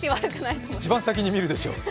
一番先に見るでしょう。